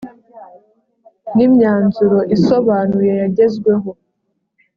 n imyanzuro isobanuye yagezweho